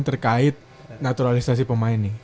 terkait naturalisasi pemain nih